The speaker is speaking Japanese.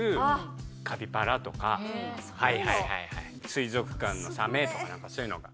水族館のサメとかなんかそういうのが。